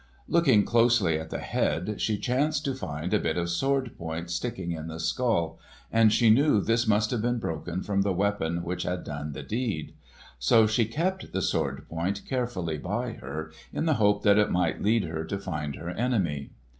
Looking closely at the head, she chanced to find a bit of sword point sticking in the skull, and she knew this must have been broken from the weapon which had done the deed. So she kept the sword point carefully by her, in the hope that it might lead her to find her enemy.